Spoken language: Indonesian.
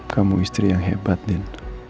kamu istri yang hebat dan